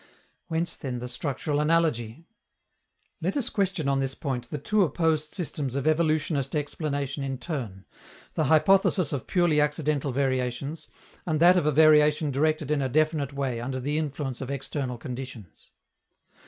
Whence, then, the structural analogy? Let us question on this point the two opposed systems of evolutionist explanation in turn the hypothesis of purely accidental variations, and that of a variation directed in a definite way under the influence of external conditions.